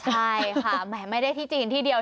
ใช่ค่ะแหมไม่ได้ที่จีนที่เดียว